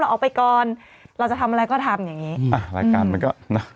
ออกไปก่อนเราจะทำอะไรก็ทำอย่างงี้อ่ะรายการมันก็นะ